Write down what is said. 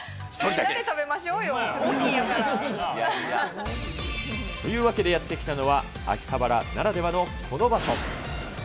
みんなで食べましょうよ、というわけでやって来たのは、秋葉原ならではのこの場所。